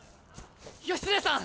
義経さん！